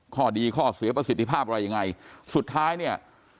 ข้อดีข้อเสียประสิทธิภาพอะไรยังไงสุดท้ายเนี่ย